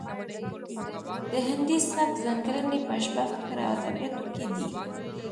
د هندي سبک ځانګړنې په ژبه فکر او ادبیاتو کې دي